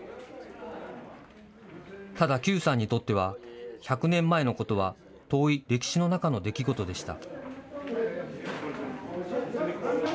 ただ邱さんにとっては１００年前のことは遠い歴史の中の出来事でした。